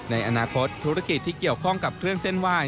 ในอนาคตธุรกิจที่เกี่ยวข้องกับเครื่องเส้นไหว้